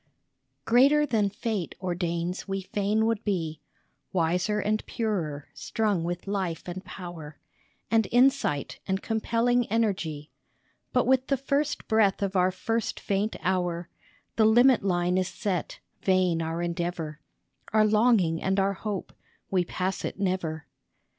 GREATER than Fate ordains we fain would be ; Wiser and purer, strung with life and power And insight and compelling energy ; But with the first breath of our first faint hour The limit line is set, vain our endeavor, Our longing and our hope ; we pass it never.